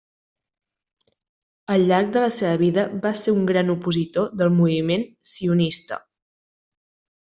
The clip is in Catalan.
Al llarg de la seva vida va ser un gran opositor del moviment sionista.